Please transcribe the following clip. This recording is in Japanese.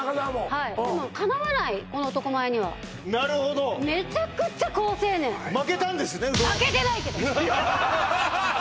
はいでもかなわないこの男前にはなるほどめちゃくちゃ好青年負けたんですね